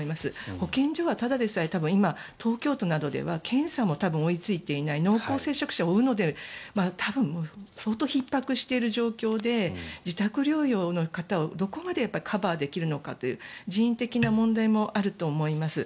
保健所はただでさえ多分、今東京都などでは検査も多分追いついていない濃厚接触者を追うので多分、相当ひっ迫している状況で自宅療養の方をどこまでカバーできるのかという人員的な問題もあると思います。